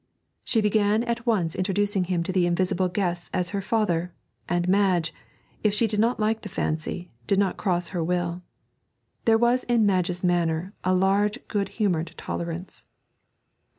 She began at once introducing him to the invisible guests as her father, and Madge, if she did not like the fancy, did not cross her will. There was in Madge's manner a large good humoured tolerance.